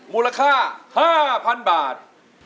มูลค่า๕๐๐๐บาท